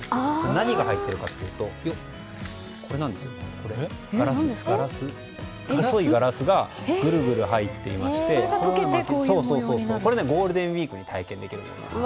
何が入っているかというとガラスがぐるぐる入っていましてこれ、ゴールデンウィークに体験できます。